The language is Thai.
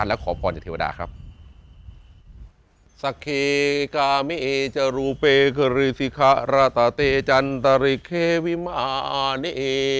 เนี้ยจะรูเปคริสิขระตาเตจันต์ตะลิเข้วิม่าเนี้ย